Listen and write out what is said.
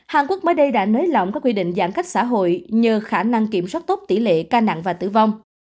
hàn quốc mới đây đã nới lỏng các quy định giãn cách xã hội nhờ khả năng kiểm soát tốt tỷ lệ ca nặng và tử vong